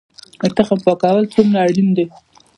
د تخم پاکول څومره اړین دي؟